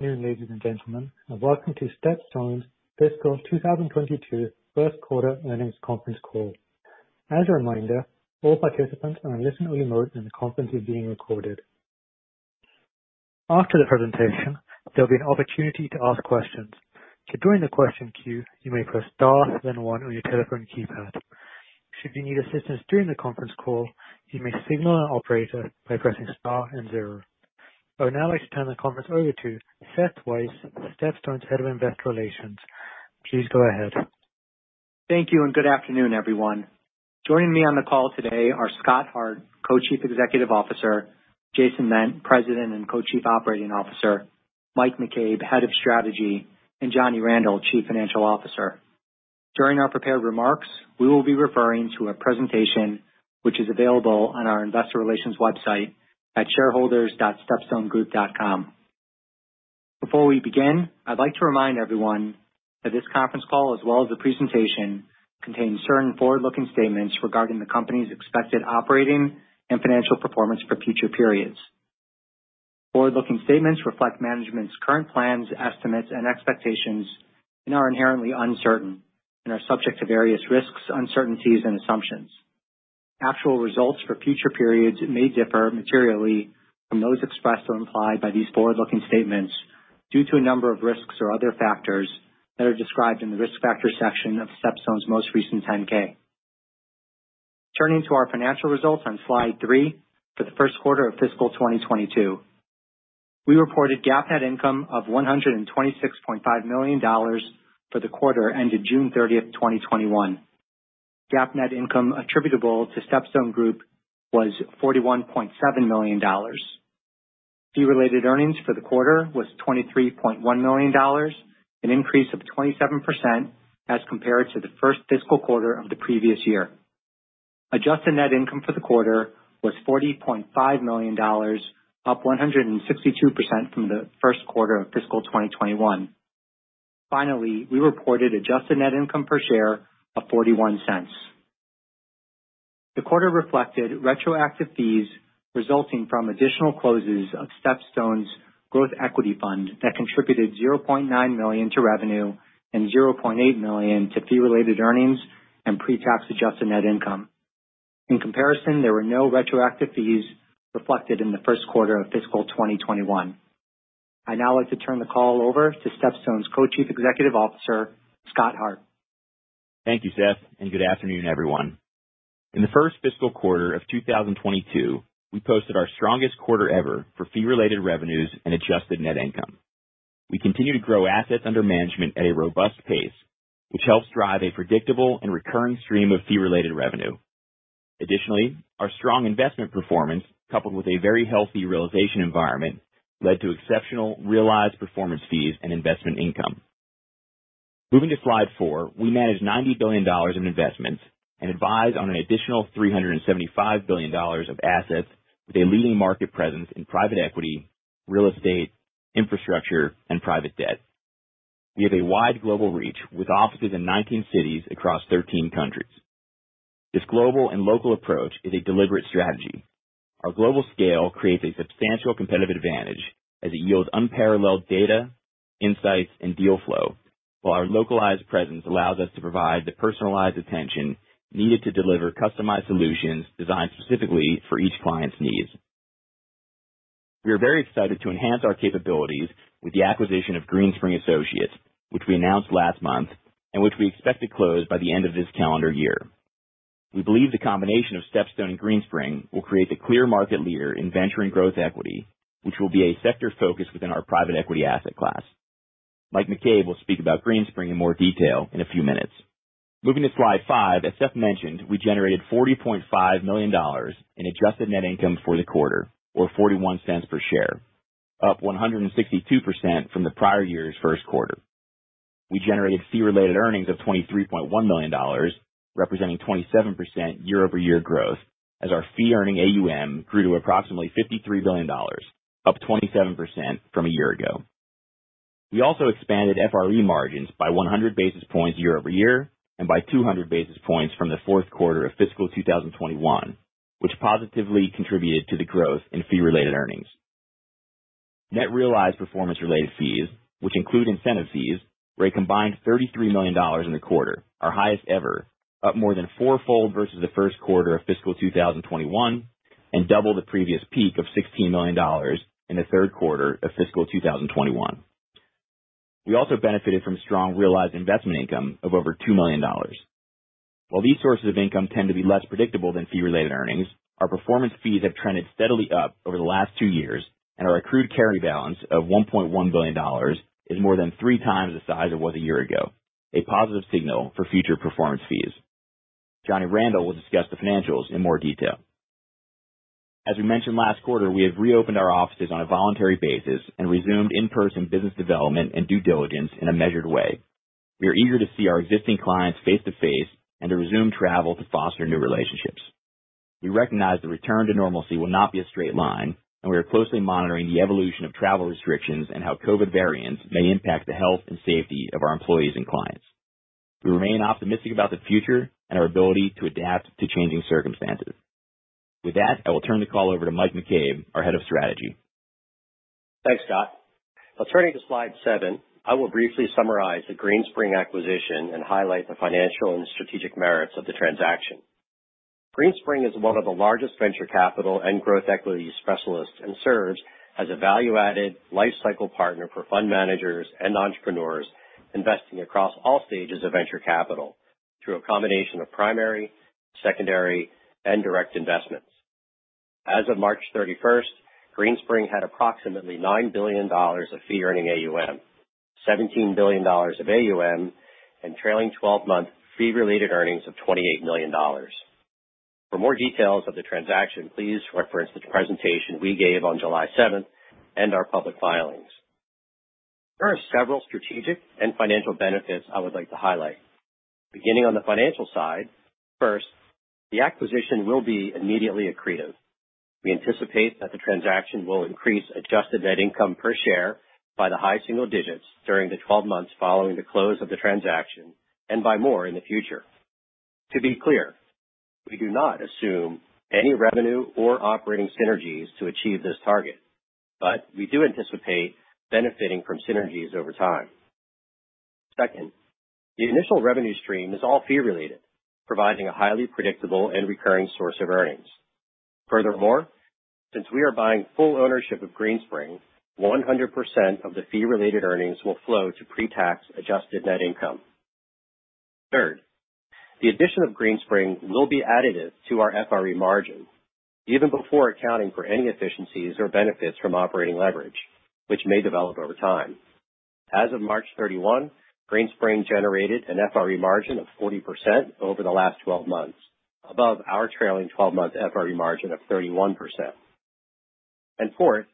Good afternoon, ladies and gentlemen, welcome to StepStone's fiscal 2022 first quarter earnings conference call. As a reminder, all participants are in listen-only mode, the conference is being recorded. After the presentation, there'll be an opportunity to ask questions. To join the question queue, you may press star, then one on your telephone keypad. Should you need assistance during the conference call, you may signal an operator by pressing star and zero. I would now like to turn the conference over to Seth Weiss, StepStone's Head of Investor Relations. Please go ahead. Thank you, and good afternoon, everyone. Joining me on the call today are Scott Hart, Co-Chief Executive Officer, Jason Ment, President and Co-Chief Operating Officer, Mike McCabe, Head of Strategy, and Johnny Randel, Chief Financial Officer. During our prepared remarks, we will be referring to a presentation which is available on our investor relations website at shareholders.stepstonegroup.com. Before we begin, I'd like to remind everyone that this conference call as well as the presentation, contains certain forward-looking statements regarding the company's expected operating and financial performance for future periods. Forward-looking statements reflect management's current plans, estimates, and expectations, and are inherently uncertain, and are subject to various risks, uncertainties, and assumptions. Actual results for future periods may differ materially from those expressed or implied by these forward-looking statements due to a number of risks or other factors that are described in the risk factor section of StepStone's most recent 10-K. Turning to our financial results on slide three for the first quarter of fiscal 2022. We reported GAAP net income of $126.5 million for the quarter ended June 30, 2021. GAAP net income attributable to StepStone Group was $41.7 million. Fee-related earnings for the quarter was $23.1 million, an increase of 27% as compared to the first fiscal quarter of the previous year. Adjusted net income for the quarter was $40.5 million, up 162% from the first quarter of fiscal 2021. Finally, we reported adjusted net income per share of $0.41. The quarter reflected retroactive fees resulting from additional closes of StepStone's growth equity fund that contributed $0.9 million to revenue and $0.8 million to fee-related earnings and pre-tax adjusted net income. In comparison, there were no retroactive fees reflected in the first quarter of fiscal 2021. I'd now like to turn the call over to StepStone's Co-Chief Executive Officer, Scott Hart. Thank you, Seth, good afternoon, everyone. In the first fiscal quarter of 2022, we posted our strongest quarter ever for fee-related revenues and adjusted net income. We continue to grow assets under management at a robust pace, which helps drive a predictable and recurring stream of fee-related revenue. Additionally, our strong investment performance, coupled with a very healthy realization environment, led to exceptional realized performance fees and investment income. Moving to slide four, we manage $90 billion in investments and advise on an additional $375 billion of assets with a leading market presence in private equity, real estate, infrastructure, and private debt. We have a wide global reach with offices in 19 cities across 13 countries. This global and local approach is a deliberate strategy. Our global scale creates a substantial competitive advantage as it yields unparalleled data, insights, and deal flow, while our localized presence allows us to provide the personalized attention needed to deliver customized solutions designed specifically for each client's needs. We are very excited to enhance our capabilities with the acquisition of Greenspring Associates, which we announced last month, and which we expect to close by the end of this calendar year. We believe the combination of StepStone and Greenspring will create the clear market leader in venture and growth equity, which will be a sector focus within our private equity asset class. Mike McCabe will speak about Greenspring in more detail in a few minutes. Moving to slide five, as Seth mentioned, we generated $40.5 million in adjusted net income for the quarter, or $0.41 per share, up 162% from the prior year's first quarter. We generated fee-related earnings of $23.1 million, representing 27% year-over-year growth as our fee-earning AUM grew to approximately $53 billion, up 27% from a year ago. We also expanded FRE margins by 100 basis points year-over-year, and by 200 basis points from the fourth quarter of fiscal 2021, which positively contributed to the growth in fee-related earnings. Net realized performance-related fees, which include incentive fees, were a combined $33 million in the quarter, our highest ever, up more than four-fold versus the first quarter of fiscal 2021, and double the previous peak of $16 million in the third quarter of fiscal 2021. We also benefited from strong realized investment income of over $2 million. While these sources of income tend to be less predictable than fee-related earnings, our performance fees have trended steadily up over the last two years, and our accrued carry balance of $1.1 billion is more than 3x the size it was a year ago, a positive signal for future performance fees. Johnny Randel will discuss the financials in more detail. As we mentioned last quarter, we have reopened our offices on a voluntary basis and resumed in-person business development and due diligence in a measured way. We are eager to see our existing clients face to face and to resume travel to foster new relationships. We recognize the return to normalcy will not be a straight line, and we are closely monitoring the evolution of travel restrictions and how COVID variants may impact the health and safety of our employees and clients. We remain optimistic about the future and our ability to adapt to changing circumstances. With that, I will turn the call over to Mike McCabe, our Head of Strategy. Thanks, Scott. Now turning to slide seven, I will briefly summarize the Greenspring acquisition and highlight the financial and strategic merits of the transaction. Greenspring is one of the largest venture capital and growth equity specialists, and serves as a value-added life cycle partner for fund managers and entrepreneurs investing across all stages of venture capital through a combination of primary, secondary, and direct investments. As of March 31st, Greenspring had approximately $9 billion of fee-earning AUM, $17 billion of AUM, and trailing 12-month fee-related earnings of $28 million. For more details of the transaction, please reference the presentation we gave on July 7th and our public filings. There are several strategic and financial benefits I would like to highlight. Beginning on the financial side, first, the acquisition will be immediately accretive. We anticipate that the transaction will increase adjusted net income per share by the high single digits during the 12 months following the close of the transaction, and by more in the future. To be clear, we do not assume any revenue or operating synergies to achieve this target but we do anticipate benefiting from synergies over time. Second, the initial revenue stream is all fee-related, providing a highly predictable and recurring source of earnings. Furthermore, since we are buying full ownership of Greenspring, 100% of the fee-related earnings will flow to pre-tax adjusted net income. Third, the addition of Greenspring will be additive to our FRE margin even before accounting for any efficiencies or benefits from operating leverage, which may develop over time. As of March 31, Greenspring generated an FRE margin of 40% over the last 12 months, above our trailing 12-month FRE margin of 31%. Fourth,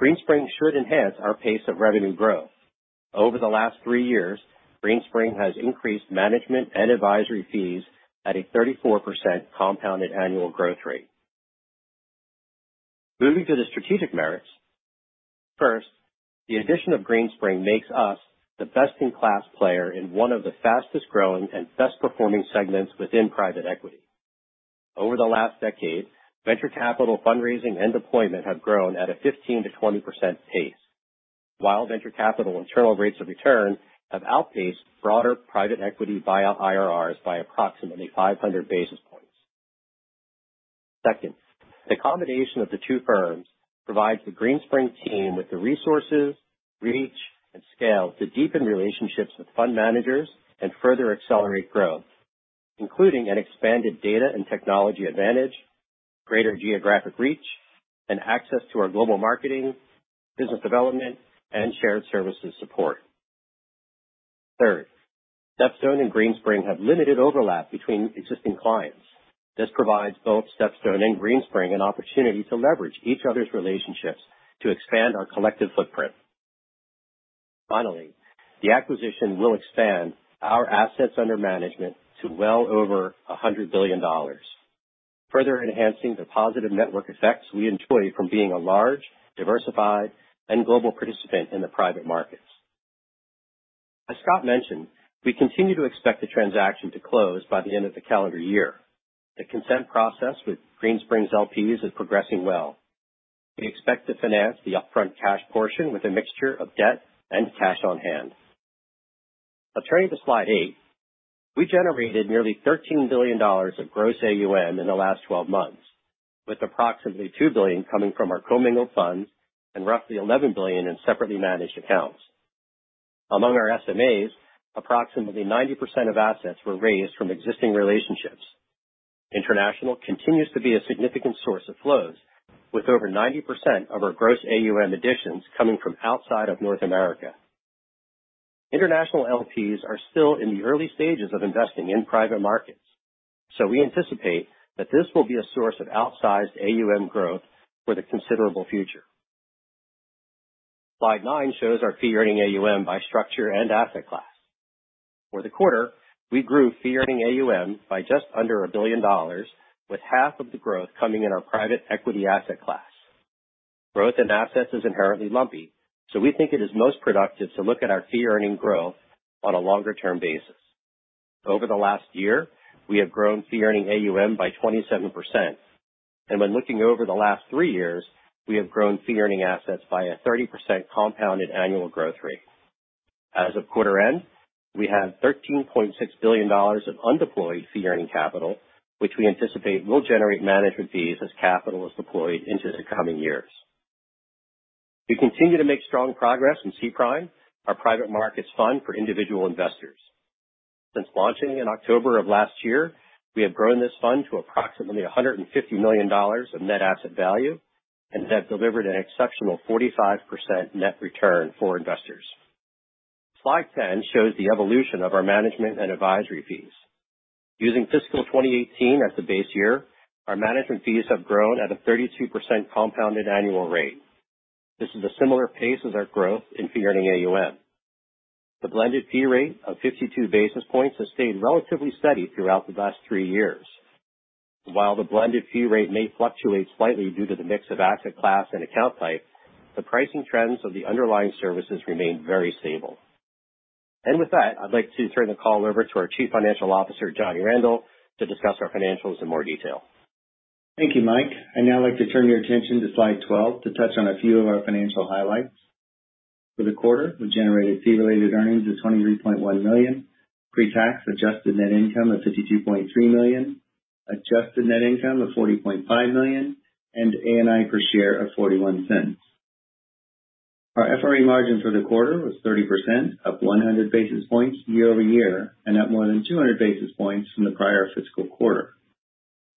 Greenspring should enhance our pace of revenue growth. Over the last three years, Greenspring has increased management and advisory fees at a 34% compounded annual growth rate. Moving to the strategic merits. First, the addition of Greenspring makes us the best-in-class player in one of the fastest-growing and best-performing segments within private equity. Over the last decade, venture capital fundraising and deployment have grown at a 15%-20% pace. While venture capital internal rates of return have outpaced broader private equity buyout IRRs by approximately 500 basis points. The combination of the two firms provides the Greenspring team with the resources, reach, and scale to deepen relationships with fund managers and further accelerate growth, including an expanded data and technology advantage, greater geographic reach, and access to our global marketing, business development, and shared services support. Third, StepStone and Greenspring have limited overlap between existing clients. This provides both StepStone and Greenspring an opportunity to leverage each other's relationships to expand our collective footprint. Finally the acquisition will expand our assets under management to well over $100 billion, further enhancing the positive network effects we enjoy from being a large, diversified, and global participant in the private markets. As Scott mentioned, we continue to expect the transaction to close by the end of the calendar year. The consent process with Greenspring's LPs is progressing well. We expect to finance the upfront cash portion with a mixture of debt and cash on hand. Now turning to slide eight. We generated nearly $13 billion of gross AUM in the last 12 months, with approximately $2 billion coming from our commingled funds and roughly $11 billion in separately managed accounts. Among our SMAs, approximately 90% of assets were raised from existing relationships. International continues to be a significant source of flows, with over 90% of our gross AUM additions coming from outside of North America. International LPs are still in the early stages of investing in private markets, so we anticipate that this will be a source of outsized AUM growth for the considerable future. Slide nine shows our fee-earning AUM by structure and asset class. For the quarter, we grew fee-earning AUM by just under $1 billion, with half of the growth coming in our private equity asset class. Growth in assets is inherently lumpy, we think it is most productive to look at our fee-earning growth on a longer-term basis. Over the last year, we have grown fee-earning AUM by 27%. When looking over the last three years, we have grown fee-earning assets by a 30% compounded annual growth rate. As of quarter-end, we have $13.6 billion of undeployed fee-earning capital, which we anticipate will generate management fees as capital is deployed into the coming years. We continue to make strong progress in SPRIM, our private markets fund for individual investors. Since launching in October of last year, we have grown this fund to approximately $150 million of net asset value, and that delivered an exceptional 45% net return for investors. Slide 10 shows the evolution of our management and advisory fees. Using fiscal 2018 as the base year, our management fees have grown at a 32% compounded annual rate. This is a similar pace as our growth in fee-earning AUM. The blended fee rate of 52 basis points has stayed relatively steady throughout the last three years. While the blended fee rate may fluctuate slightly due to the mix of asset class and account type, the pricing trends of the underlying services remain very stable. With that, I'd like to turn the call over to our Chief Financial Officer, Johnny Randel, to discuss our financials in more detail. Thank you, Mike. I'd now like to turn your attention to slide 12 to touch on a few of our financial highlights. For the quarter, we generated fee-related earnings of $23.1 million, pre-tax adjusted net income of $52.3 million, adjusted net income of $40.5 million, and ANI per share of $0.41. Our FRE margin for the quarter was 30%, up 100 basis points year-over-year, and up more than 200 basis points from the prior fiscal quarter.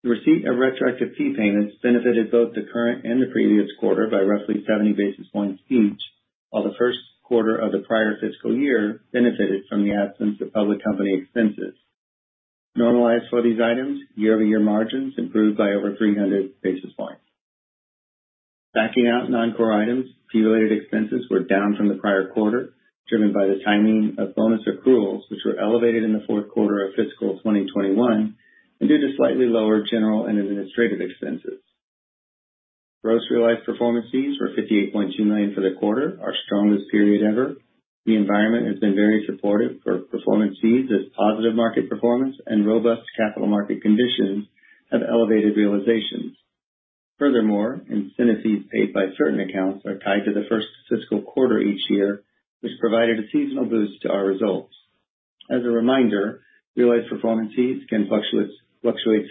The receipt of retroactive fee payments benefited both the current and the previous quarter by roughly 70 basis points each, while the first quarter of the prior fiscal year benefited from the absence of public company expenses. Normalized for these items, year-over-year margins improved by over 300 basis points. Backing out non-core items, fee-related expenses were down from the prior quarter, driven by the timing of bonus accruals, which were elevated in the fourth quarter of fiscal 2021, and due to slightly lower general and administrative expenses. Gross realized performance fees were $58.2 million for the quarter, our strongest period ever. The environment has been very supportive for performance fees as positive market performance and robust capital market conditions have elevated realizations. Furthermore, incentive fees paid by certain accounts are tied to the first fiscal quarter each year, which provided a seasonal boost to our results. As a reminder, realized performance fees can fluctuate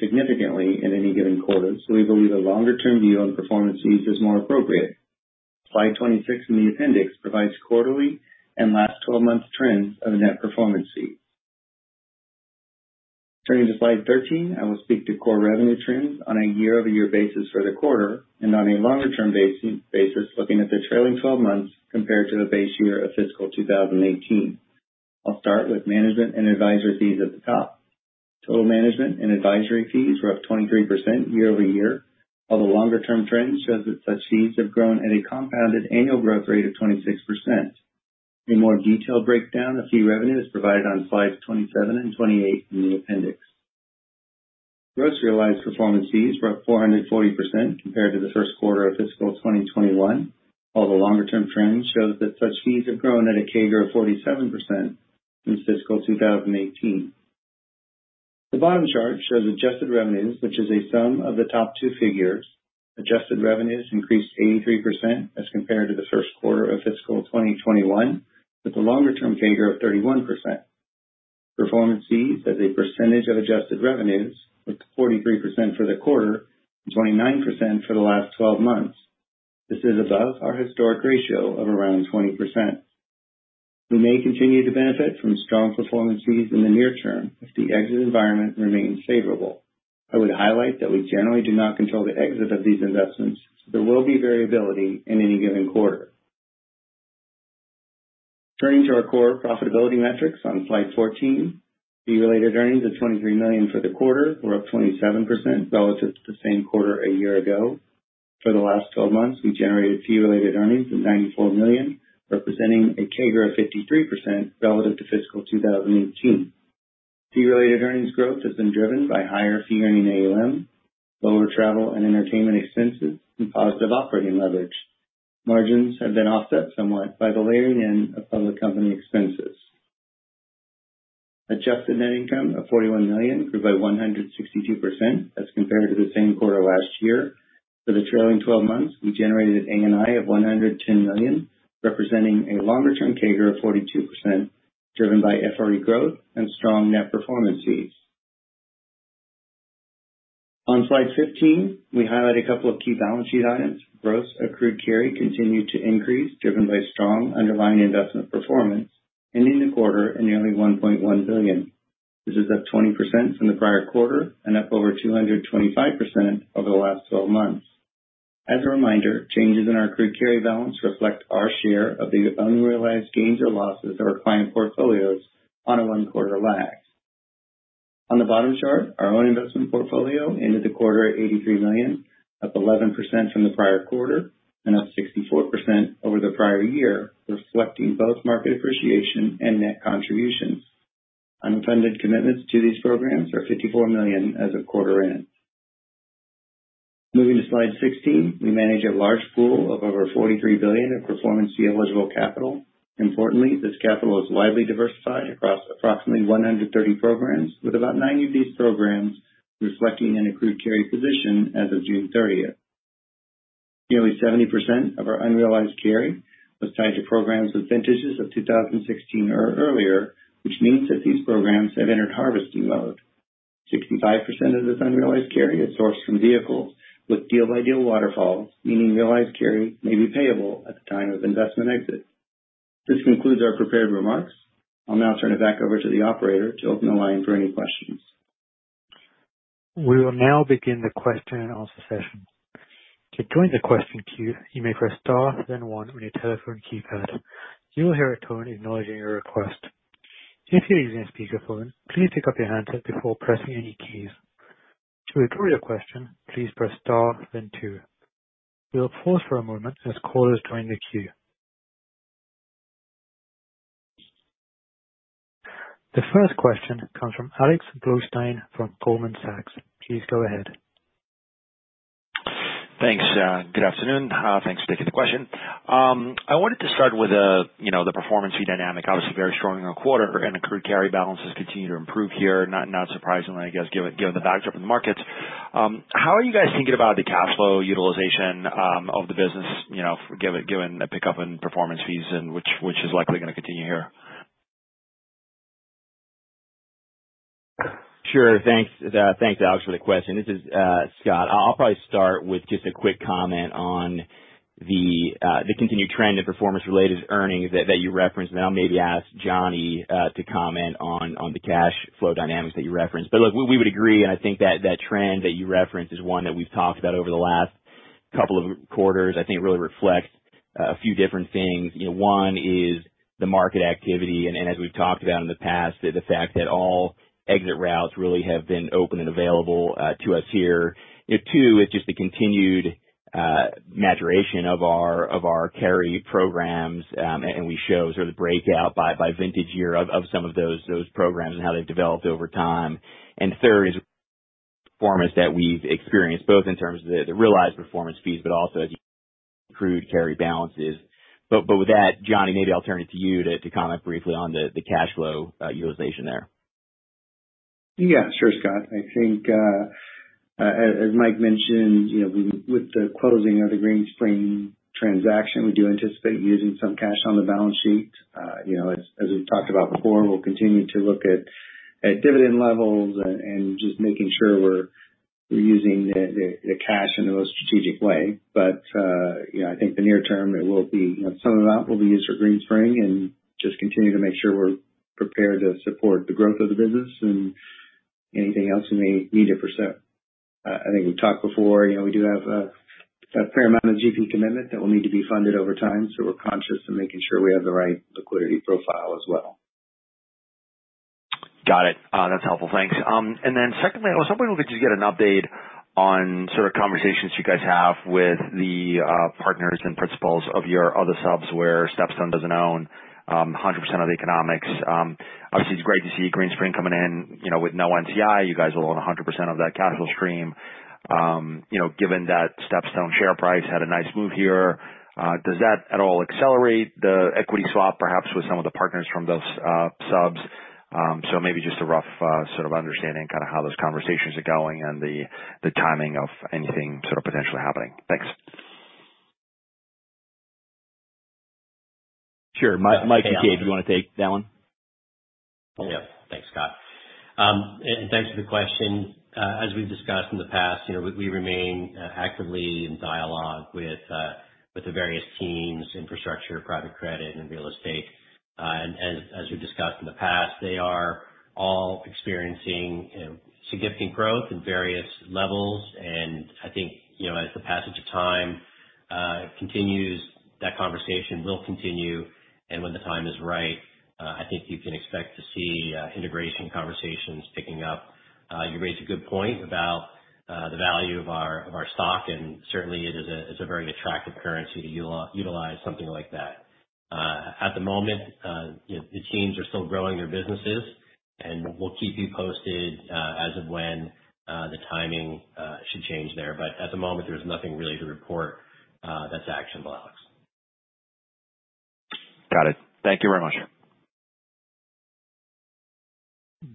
significantly in any given quarter, so we believe a longer-term view on performance fees is more appropriate. Slide 26 in the appendix provides quarterly and last 12 months trends of net performance fees. Turning to slide 13, I will speak to core revenue trends on a year-over-year basis for the quarter and on a longer-term basis looking at the trailing 12 months compared to the base year of fiscal 2018. I'll start with management and advisory fees at the top. Total management and advisory fees were up 23% year-over-year, while the longer-term trend shows that such fees have grown at a compounded annual growth rate of 26%. A more detailed breakdown of fee revenue is provided on slides 27 and 28 in the appendix. Gross realized performance fees were up 440% compared to the first quarter of fiscal 2021, while the longer-term trend shows that such fees have grown at a CAGR of 47% since fiscal 2018. The bottom chart shows adjusted revenues, which is a sum of the top two figures. Adjusted revenues increased 83% as compared to the first quarter of fiscal 2021, with a longer-term CAGR of 31%. Performance fees as a percentage of adjusted revenues was 43% for the quarter and 29% for the last 12 months. This is above our historic ratio of around 20%. We may continue to benefit from strong performance fees in the near term if the exit environment remains favorable. I would highlight that we generally do not control the exit of these investments, so there will be variability in any given quarter. Turning to our core profitability metrics on slide 14, fee-related earnings of $23 million for the quarter were up 27% relative to the same quarter a year ago. For the last 12 months, we generated fee-related earnings of $94 million, representing a CAGR of 53% relative to fiscal 2018. Fee-related earnings growth has been driven by higher fee-earning AUM, lower travel and entertainment expenses, and positive operating leverage. Margins have been offset somewhat by the layering in of public company expenses. Adjusted net income of $41 million grew by 162% as compared to the same quarter last year. For the trailing 12 months, we generated ANI of $110 million, representing a longer-term CAGR of 42%, driven by FRE growth and strong net performance fees. On slide 15, we highlight a couple of key balance sheet items. Gross accrued carry continued to increase, driven by strong underlying investment performance, ending the quarter at nearly $1.1 billion. This is up 20% from the prior quarter and up over 225% over the last 12 months. As a reminder, changes in our accrued carry balance reflect our share of the unrealized gains or losses of our client portfolios on a one-quarter lag. On the bottom chart, our own investment portfolio ended the quarter at $83 million, up 11% from the prior quarter and up 64% over the prior year, reflecting both market appreciation and net contributions. Unfunded commitments to these programs are $54 million as of quarter end. Moving to slide 16, we manage a large pool of over $43 billion of performance fee eligible capital. Importantly, this capital is widely diversified across approximately 130 programs, with about 90 of these programs reflecting an accrued carry position as of June 30th. Nearly 70% of our unrealized carry was tied to programs with vintages of 2016 or earlier, which means that these programs have entered harvesting mode. 65% of this unrealized carry is sourced from vehicles with deal-by-deal waterfalls, meaning realized carry may be payable at the time of investment exit. This concludes our prepared remarks. I'll now turn it back over to the operator to open the line for any questions. We will now begin the question and answer session. To join the question queue, you may press star then one on your telephone keypad. You will hear a tone acknowledging your request. If you're using a speakerphone, please pick up your handset before pressing any keys. To withdraw your question, please press star then two. We will pause for a moment as callers join the queue. The first question comes from Alex Blostein from Goldman Sachs. Please go ahead. Thanks. Good afternoon. Thanks for taking the question. I wanted to start with the performance fee dynamic, obviously very strong in our quarter, and accrued carry balances continue to improve here, not surprisingly, I guess, given the backdrop in the markets. How are you guys thinking about the cash flow utilization of the business, given a pickup in performance fees which is likely going to continue here? Sure. Thanks, Alex, for the question. This is Scott. I'll probably start with just a quick comment on the continued trend in performance-related earnings that you referenced, then I'll maybe ask Johnny to comment on the cash flow dynamics that you referenced. Look, we would agree, and I think that trend that you referenced is one that we've talked about over the last couple of quarters. I think it really reflects a few different things. One, is the market activity, and as we've talked about in the past, the fact that all exit routes really have been open and available to us here. Two, is just the continued maturation of our carry programs, and we show sort of the breakout by vintage year of some of those programs and how they've developed over time. Third, is performance that we've experienced, both in terms of the realized performance fees, but also as accrued carry balances. With that, Johnny, maybe I'll turn it to you to comment briefly on the cash flow utilization there. Yeah. Sure, Scott. I think as Mike mentioned, with the closing of the Greenspring transaction, we do anticipate using some cash on the balance sheet. As we've talked about before, we'll continue to look at dividend levels and just making sure we're using the cash in the most strategic way. I think the near term, some of that will be used for Greenspring, and just continue to make sure we're prepared to support the growth of the business and anything else we may need it for. I think we've talked before, we do have a fair amount of GP commitment that will need to be funded over time. We're conscious in making sure we have the right liquidity profile as well. Got it. That's helpful. Thanks. Then secondly, I was hoping we could just get an update on sort of conversations you guys have with the partners and principals of your other subs where StepStone doesn't own 100% of the economics. Obviously, it's great to see Greenspring coming in with no NCI. You guys will own 100% of that capital stream. Given that StepStone share price had a nice move here, does that at all accelerate the equity swap, perhaps with some of the partners from those subs? Maybe just a rough sort of understanding, kind of how those conversations are going and the timing of anything sort of potentially happening. Thanks. Sure. Mike McCabe, do you want to take that one? Thanks, Scott. Thanks for the question. As we've discussed in the past, we remain actively in dialogue with the various teams, infrastructure, private credit, and real estate. As we've discussed in the past, they are all experiencing significant growth in various levels. I think as the passage of time continues, that conversation will continue and when the time is right, I think you can expect to see integration conversations picking up. You raise a good point about the value of our stock, and certainly it is a very attractive currency to utilize something like that. At the moment, the teams are still growing their businesses, and we'll keep you posted as of when the timing should change there. At the moment, there's nothing really to report that's actionable, Alex. Got it. Thank you very much.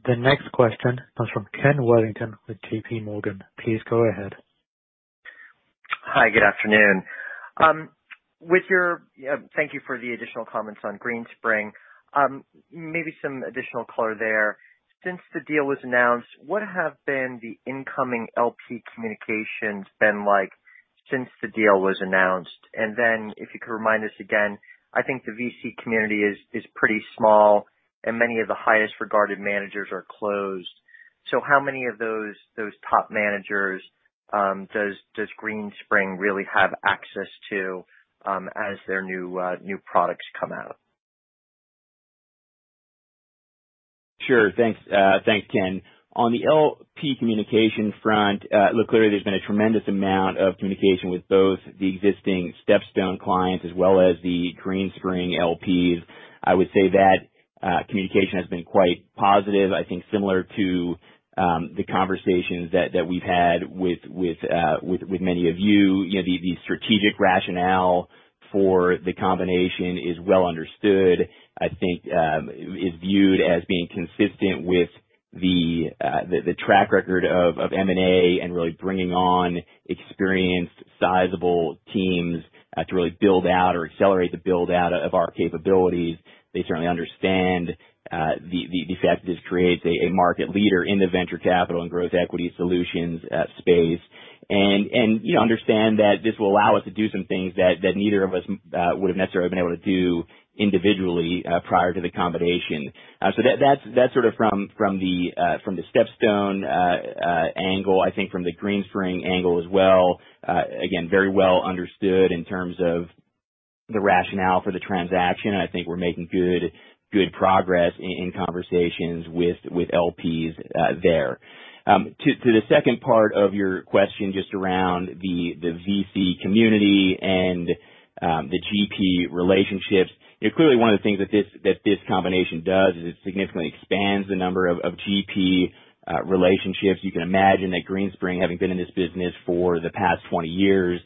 The next question comes from Ken Worthington with JPMorgan. Please go ahead. Hi. Good afternoon. Thank you for the additional comments on Greenspring. Maybe some additional color there. Since the deal was announced, what have been the incoming LP communications been like since the deal was announced? If you could remind us again, I think the VC community is pretty small and many of the highest regarded managers are closed. How many of those top managers does Greenspring really have access to as their new products come out? Sure. Thanks, Ken. On the LP communication front, look, clearly there's been a tremendous amount of communication with both the existing StepStone clients as well as the Greenspring LPs. I would say that communication has been quite positive, I think similar to the conversations that we've had with many of you. The strategic rationale for the combination is well understood. I think it is viewed as being consistent with the track record of M&A and really bringing on experienced, sizable teams to really build out or accelerate the build-out of our capabilities. They certainly understand the fact that this creates a market leader in the venture capital and growth equity solutions space. Understand that this will allow us to do some things that neither of us would have necessarily been able to do individually prior to the combination. That's sort of from the StepStone angle. I think from the Greenspring angle as well, again, very well understood in terms of the rationale for the transaction, I think we're making good progress in conversations with LPs there. To the second part of your question, just around the VC community and the GP relationships. Clearly, one of the things that this combination does is it significantly expands the number of GP relationships. You can imagine that Greenspring, having been in this business for the past 20 years,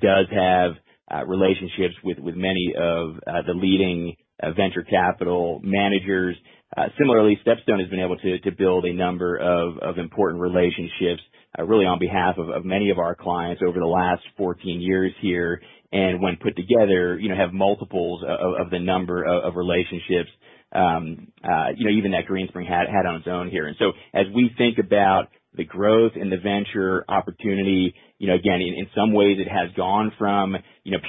does have relationships with many of the leading venture capital managers. Similarly, StepStone has been able to build a number of important relationships, really on behalf of many of our clients over the last 14 years here, and when put together, have multiples of the number of relationships even at Greenspring had on its own here. As we think about the growth in the venture opportunity, again, in some ways, it has gone from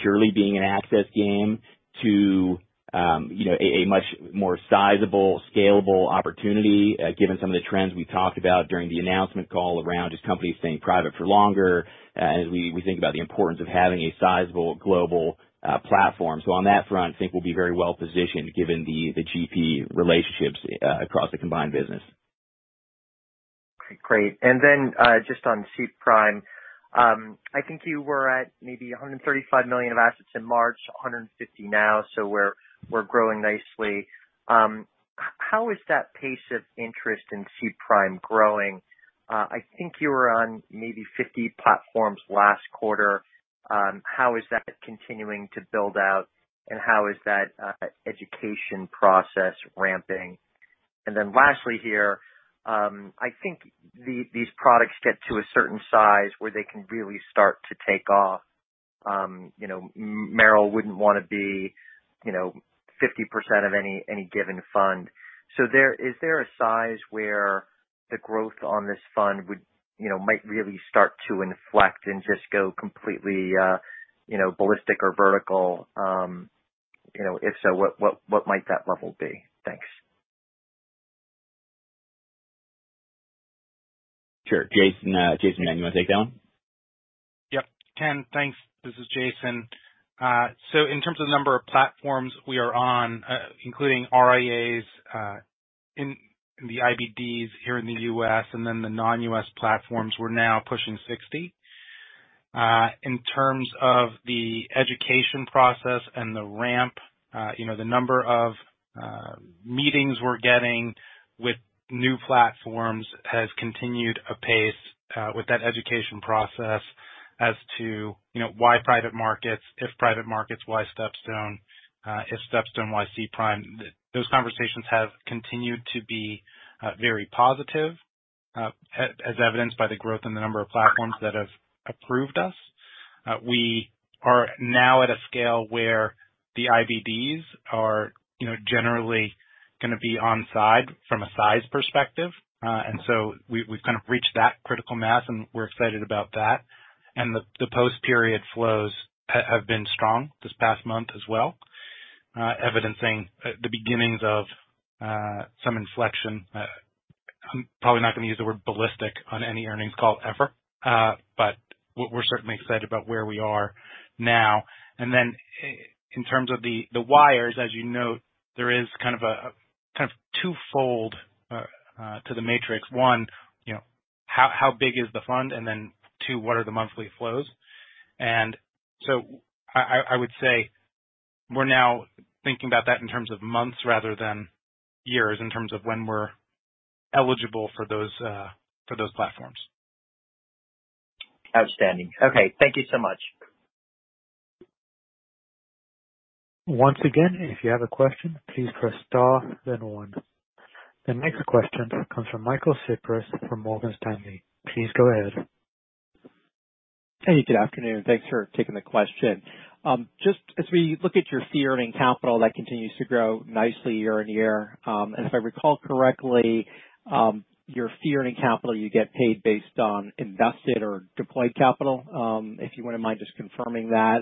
purely being an access game to a much more sizable, scalable opportunity, given some of the trends we've talked about during the announcement call around just companies staying private for longer, as we think about the importance of having a sizable global platform. On that front, I think we'll be very well positioned given the GP relationships across the combined business. Great. Just on SPRIM, I think you were at maybe $135 million of assets in March, $150 million now, so we're growing nicely. How is that pace of interest in SPRIM growing? I think you were on maybe 50 platforms last quarter. How is that continuing to build out, and how is that education process ramping? Lastly here, I think these products get to a certain size where they can really start to take off. Merrill wouldn't want to be 50% of any given fund. Is there a size where the growth on this fund might really start to inflect and just go completely ballistic or vertical? If so, what might that level be? Thanks. Sure. Jason, you want to take that one? Yep. Ken, thanks. This is Jason. In terms of the number of platforms we are on, including RIAs, in the IBDs here in the U.S. and then the non-U.S. platforms, we're now pushing 60. In terms of the education process and the ramp, the number of meetings we're getting with new platforms has continued apace with that education process as to why private markets, if private markets, why StepStone? If StepStone, why SPRIM? Those conversations have continued to be very positive, as evidenced by the growth in the number of platforms that have approved us. We are now at a scale where the IBDs are generally going to be on side from a size perspective. We've kind of reached that critical mass, and we're excited about that. The post period flows have been strong this past month as well, evidencing the beginnings of some inflection. I'm probably not going to use the word ballistic on any earnings call ever, but we're certainly excited about where we are now. In terms of the wires, as you note, there is kind of twofold to the matrix. One, how big is the fund and then two what are the monthly flows? I would say we're now thinking about that in terms of months rather than years, in terms of when we're eligible for those platforms. Outstanding. Okay. Thank you so much. Once again, if you have a question, please press star, then one. The next question comes from Michael Cyprys from Morgan Stanley. Please go ahead. Hey, good afternoon. Thanks for taking the question. Just as we look at your fee-earning capital, that continues to grow nicely year on year. If I recall correctly, your fee-earning capital, you get paid based on invested or deployed capital. If you wouldn't mind just confirming that.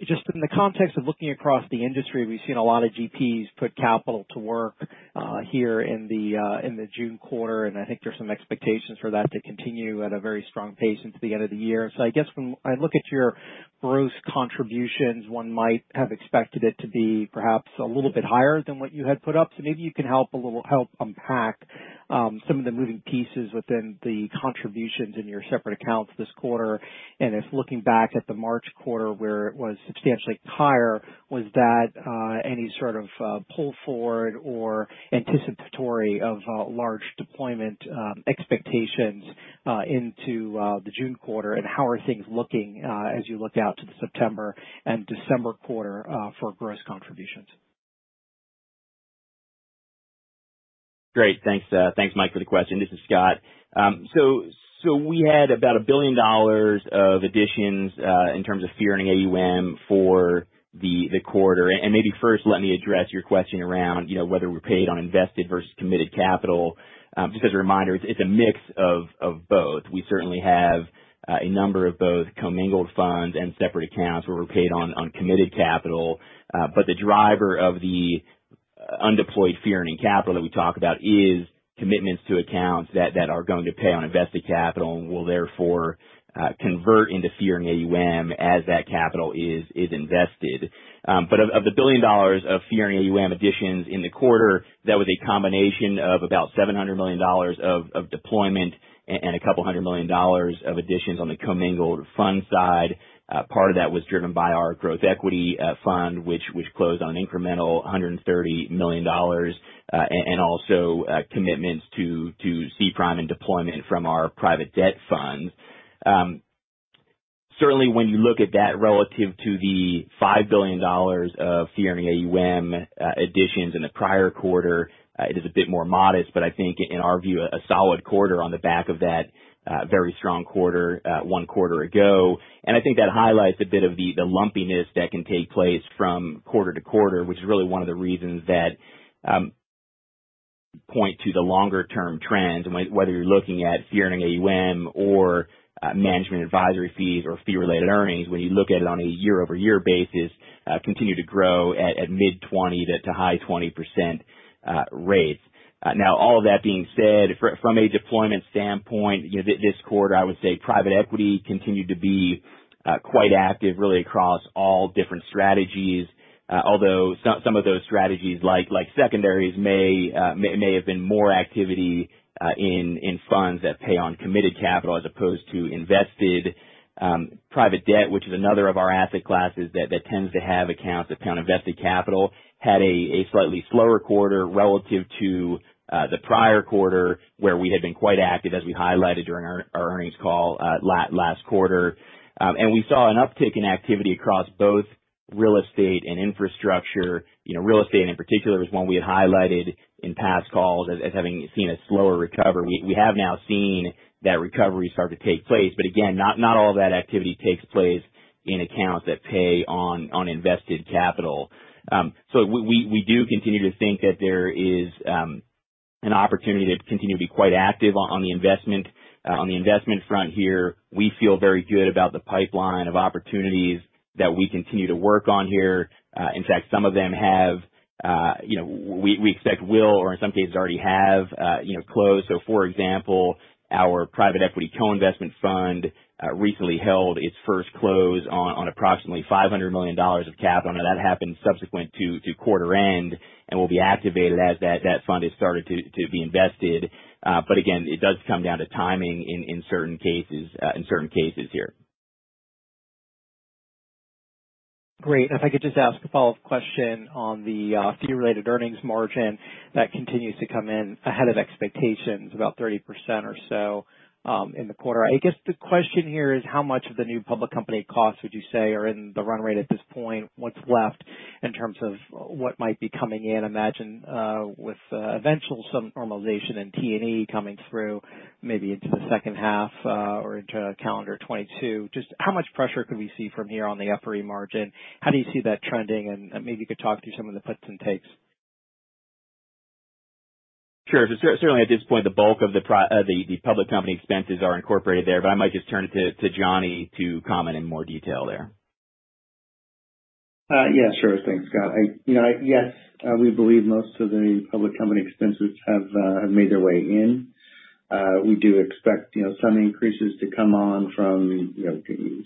Just in the context of looking across the industry, we've seen a lot of GPs put capital to work here in the June quarter, and I think there's some expectations for that to continue at a very strong pace into the end of the year. I guess when I look at your gross contributions, one might have expected it to be perhaps a little bit higher than what you had put up. Maybe you can help unpack some of the moving pieces within the contributions in your separate accounts this quarter. If looking back at the March quarter, where it was substantially higher, was that any sort of pull forward or anticipatory of large deployment expectations into the June quarter? How are things looking as you look out to the September and December quarter for gross contributions? Great. Thanks. Mike for the question. This is Scott. We had about $1 billion of additions in terms of fee-earning AUM for the quarter. Maybe first let me address your question around whether we're paid on invested versus committed capital. Just as a reminder, it's a mix of both. We certainly have a number of both commingled funds and separate accounts where we're paid on committed capital. The driver of the undeployed fee-earning capital that we talk about is commitments to accounts that are going to pay on invested capital and will therefore convert into fee-earning AUM as that capital is invested. Of the $1 billion of fee-earning AUM additions in the quarter, that was a combination of about $700 million of deployment and a couple hundred million dollars of additions on the commingled fund side. Part of that was driven by our growth equity fund, which closed on incremental $130 million, and also commitments to SPRIM and deployment from our private debt funds. Certainly, when you look at that relative to the $5 billion of fee-earning AUM additions in the prior quarter, it is a bit more modest, but I think in our view, a solid quarter on the back of that very strong quarter one quarter ago. I think that highlights a bit of the lumpiness that can take place from quarter to quarter, which is really one of the reasons that point to the longer term trends, whether you're looking at fee-earning AUM or management advisory fees or fee-related earnings, when you look at it on a year-over-year basis, continue to grow at mid 20% to high 20% rates. All of that being said, from a deployment standpoint, this quarter, I would say private equity continued to be quite active, really across all different strategies. Although some of those strategies, like secondaries, may have been more activity in funds that pay on committed capital as opposed to invested private debt, which is another of our asset classes that tends to have accounts that count invested capital, had a slightly slower quarter relative to the prior quarter, where we had been quite active, as we highlighted during our earnings call last quarter. We saw an uptick in activity across both real estate and infrastructure. Real estate in particular was one we had highlighted in past calls as having seen a slower recovery. We have now seen that recovery start to take place. Again, not all that activity takes place in accounts that pay on invested capital. We do continue to think that there is an opportunity to continue to be quite active on the investment front here. We feel very good about the pipeline of opportunities that we continue to work on here. In fact, some of them we expect will, or in some cases already have closed. For example, our private equity co-investment fund recently held its first close on approximately $500 million of capital. That happened subsequent to quarter end and will be activated as that fund has started to be invested. Again, it does come down to timing in certain cases here. Great. If I could just ask a follow-up question on the fee-related earnings margin that continues to come in ahead of expectations, about 30% or so in the quarter. I guess the question here is, how much of the new public company costs would you say are in the run rate at this point? What's left in terms of what might be coming in? Imagine with eventual some normalization in T&E coming through maybe into the second half or into calendar 2022. Just how much pressure could we see from here on the FRE margin? How do you see that trending? Maybe you could talk through some of the puts and takes. Sure. Certainly at this point, the bulk of the public company expenses are incorporated there. I might just turn it to Johnny to comment in more detail there. Yeah, sure. Thanks, Scott. Yes, we believe most of the public company expenses have made their way in. We do expect some increases to come on from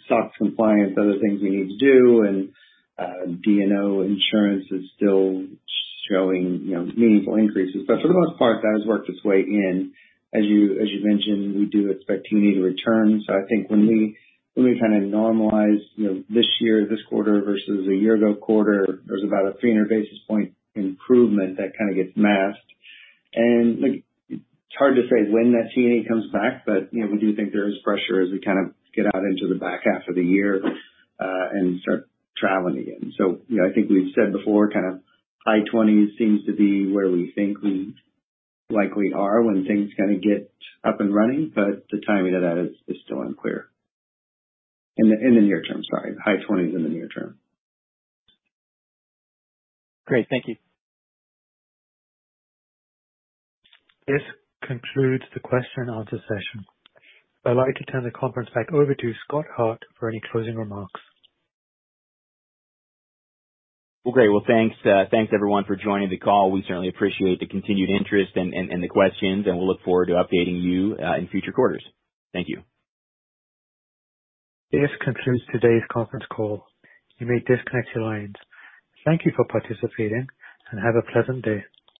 SOX compliance, other things we need to do, and D&O insurance is still showing meaningful increases. For the most part, that has worked its way in. As you mentioned, we do expect T&E to return. I think when we kind of normalize this year, this quarter versus a year ago quarter, there's about a 300 basis point improvement that kind of gets masked. It's hard to say when that T&E comes back, but we do think there is pressure as we kind of get out into the back half of the year and start traveling again. I think we've said before, kind of high 20s seems to be where we think we likely are when things kind of get up and running. The timing of that is still unclear. In the near term, sorry. High 20s in the near term. Great. Thank you. This concludes the question and answer session. I'd like to turn the conference back over to Scott Hart for any closing remarks. Well, great. Thanks everyone for joining the call. We certainly appreciate the continued interest and the questions, we'll look forward to updating you in future quarters. Thank you. This concludes today's conference call. You may disconnect your lines. Thank you for participating and have a pleasant day.